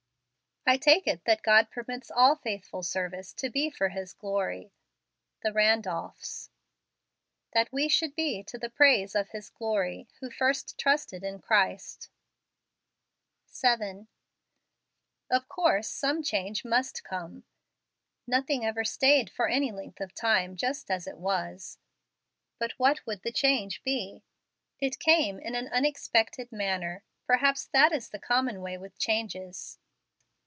I take it that God permits all faithful service to be for His glory. The Randolphs. " That we should be to the praise of his glory, who first trusted in Christ ." 18 FEBRUARY". 7. Of course some change must come; nothing ever stayed for any length of time, just as it was ; but what would the change be ? It came in an unexpected manner, per¬ haps that is the common way with changes.